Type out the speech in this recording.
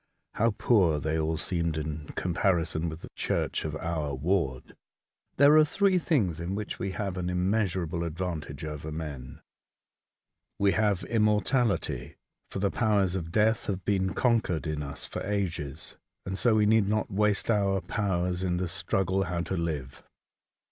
How poor they all seemed in comparison with the church of our ward ! There are three things in which we have an immeasurable advantage over men. We have immortality, for the powers of death have been conquered in us for ages, and so we need not waste our powers in the struggle how to live.